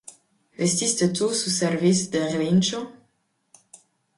¿Vestiste tú su cerviz de relincho?